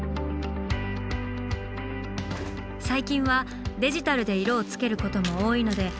最近はデジタルで色をつけることも多いので水彩は久しぶり。